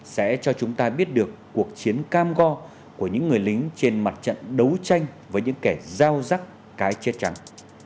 sẽ cho chúng ta biết được cuộc chiến cam go của những người lính trên mặt trận đấu tranh với những kẻ giao rắc cái chết trắng